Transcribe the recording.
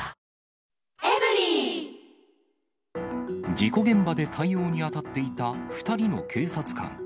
事故現場で対応に当たっていた２人の警察官。